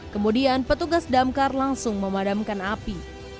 kemudian petugas damkar langsung memadamkan api